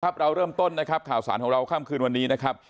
เราเริ่มต้นนะครับข่าวสารของเราค่ำคืนวันนี้นะครับ